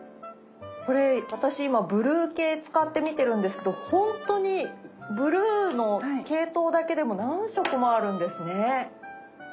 これ私今ブルー系使ってみてるんですけどほんとにブルーの系統だけでも何色もあるんですね。